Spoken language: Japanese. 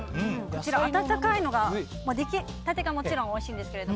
こちら、温かいのができたてがもちろんおいしいんですが。